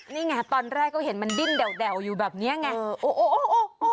นี่ไงตอนแรกก็เห็นมันดึ้นเด่าอยู่แบบนี้นี่